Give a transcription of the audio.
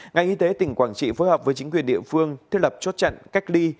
ngày y tế tỉnh quảng trị phối hợp với chính quyền địa phương thiết lập chốt trận cách ly